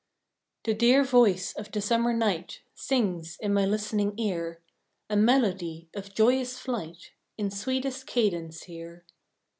The dear voice of the summer night Sings in my listening ear A melody of joyous flight, In sweetest cadence here.